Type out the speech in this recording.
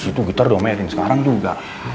itu gitar dong mainin sekarang juga